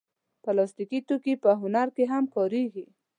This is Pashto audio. پلاستيکي توکي په هنر کې هم کارېږي.